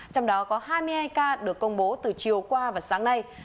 trong đó có hai mươi hai ca được công bố từ chiều qua và sáng nay